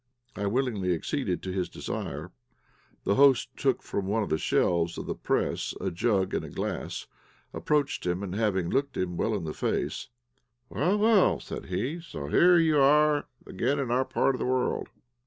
I willingly acceded to his desire. The host took from one of the shelves of the press a jug and a glass, approached him, and, having looked him well in the face "Well, well," said he, "so here you are again in our part of the world.